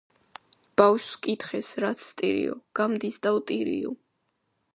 ბავშვს ჰკითხეს, რათ სტირიო, გამდის და ვტირიო